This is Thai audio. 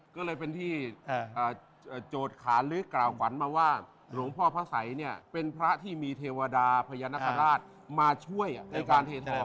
ก็เลยเป็นที่โจทย์ขานหรือกล่าวขวัญมาว่าหลวงพ่อพระสัยเนี่ยเป็นพระที่มีเทวดาพญานาคาราชมาช่วยในการเททอง